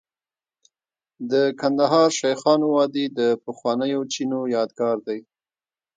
د کندهار شیخانو وادي د پخوانیو چینو یادګار دی